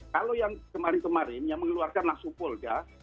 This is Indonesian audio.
kalau yang kemarin kemarin yang mengeluarkan langsung polda